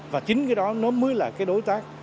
và chính cái đó nó mới là cái đối tác